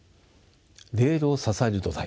レールを支える土台